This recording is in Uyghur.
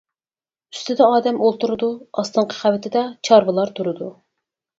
ئۈستىدە ئادەم ئولتۇرىدۇ، ئاستىنقى قەۋىتىدە چارۋىلار تۇرىدۇ.